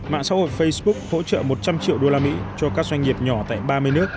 mạng xã hội facebook hỗ trợ một trăm linh triệu usd cho các doanh nghiệp nhỏ tại ba mươi nước